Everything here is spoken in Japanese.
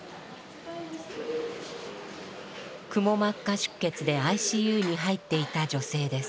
くも膜下出血でＩＣＵに入っていた女性です。